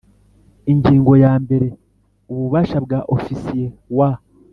Ingingo ya mbere Ububasha bwa Ofisiye wa